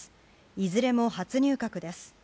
いずれも初入閣です。